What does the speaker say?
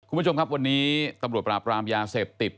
คุณผู้ชมครับวันนี้ตำรวจปราบรามยาเสพติด